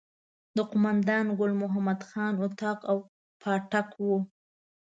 د قوماندان ګل محمد خان اطاق او پاټک وو.